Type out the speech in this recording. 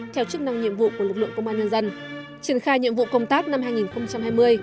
theo chức năng nhiệm vụ của lực lượng công an nhân dân triển khai nhiệm vụ công tác năm hai nghìn hai mươi